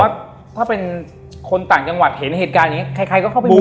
ถ้าเป็นคนต่างจังหวัดเห็นเหตุการณ์อย่างนี้ใครก็เข้าไปดู